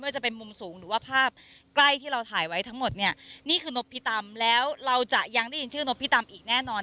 จะเป็นมุมสูงหรือว่าภาพใกล้ที่เราถ่ายไว้ทั้งหมดเนี่ยนี่คือนพิตำแล้วเราจะยังได้ยินชื่อนพิตำอีกแน่นอน